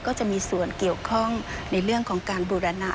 ก็จะมีส่วนเกี่ยวข้องในเรื่องของการบูรณะ